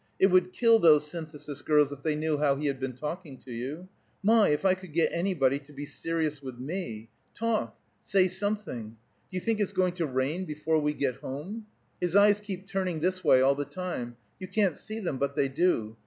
It would kill those Synthesis girls if they knew how he had been talking to you. My, if I could get anybody to be serious with me! Talk! Say something! Do you think its going to rain before we get home? His eyes keep turning this way, all the time; you can't see them, but they do.